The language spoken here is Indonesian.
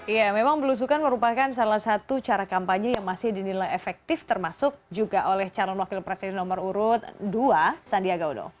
ya memang belusukan merupakan salah satu cara kampanye yang masih dinilai efektif termasuk juga oleh calon wakil presiden nomor urut dua sandiaga uno